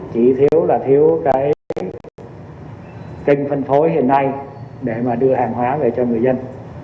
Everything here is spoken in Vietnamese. chỉ thiếu là thiếu cái kênh phân phối hiện nay để mà đưa hàng hóa về cho người dân